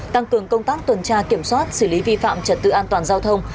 tăng cường công tác tuần tra kiểm soát xử lý vi phạm trật tự an toàn giao thông